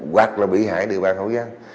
hoặc là bị hại địa bàn hậu giang